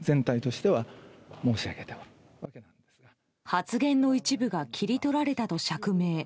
発言の一部が切り取られたと釈明。